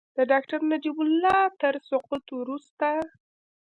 د ډاکټر نجیب الله تر سقوط وروسته.